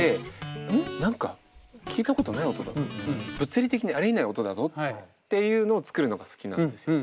何か物理的にありえない音だぞっていうのを作るのが好きなんですよ。